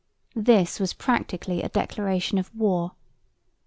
This was practically a declaration of war.